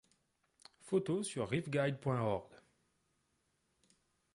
Photos sur Reefguide.org.